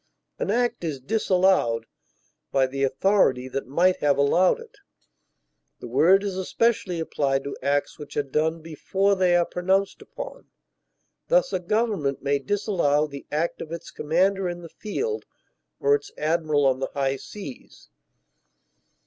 An act is disallowed by the authority that might have allowed it; the word is especially applied to acts which are done before they are pronounced upon; thus, a government may disallow the act of its commander in the field or its admiral on the high seas.